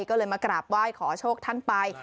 ก็เลยมากราบไหว้ขอโชคท่านไป